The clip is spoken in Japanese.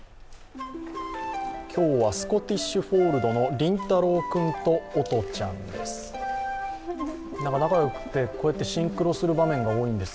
今日はスコティッシュフォールドの凛太郎君と和音ちゃんです。